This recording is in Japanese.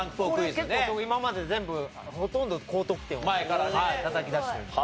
これ結構得意今まで全部ほとんど高得点をたたき出してるんで。